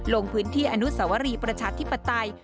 ลงพื้นที่อนุสวรีประชาธิปไตย